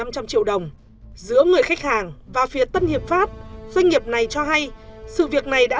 một trăm linh triệu đồng giữa người khách hàng và phía tân hiệp pháp doanh nghiệp này cho hay sự việc này đã